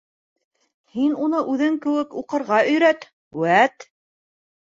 Һин уны үҙең кеүек уҡырға өйрәт, үәт.